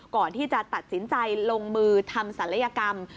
ก่อนที่จะตัดสินใจลงมือทำศัลยกรรม